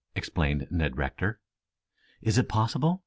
exclaimed Ned Rector. "Is it possible?"